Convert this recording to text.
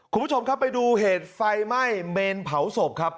คุณผู้ชมครับไปดูเหตุไฟไหม้เมนเผาศพครับ